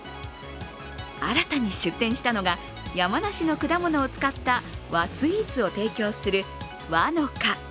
新たに出店したのが山梨の果物を使った和スイーツを提供する和乃果。